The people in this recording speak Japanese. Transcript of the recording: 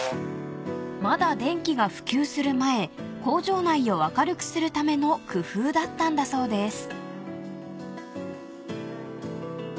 ［まだ電気が普及する前工場内を明るくするための工夫だったんだそうです］